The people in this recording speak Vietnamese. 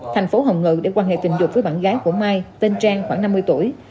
thành phố hồng ngự để quan hệ tình dục với bạn gái của mai tên trang khoảng năm mươi tuổi